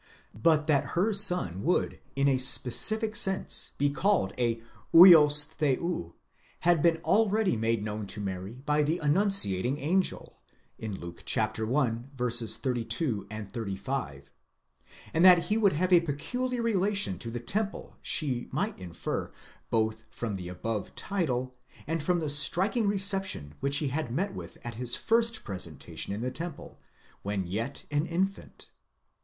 But that her son would in a specific sense be called a vids θεοῦ had been already made known to Mary by the annunciating angel (Luke i. 32, 35), and that he would have a peculiar relation to the temple she might infer, both from the above title, and from the striking recep tion which he had met with at his first presentation in the temple, when yet an infant.